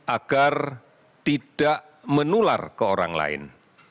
agar tidak menular ke orang lain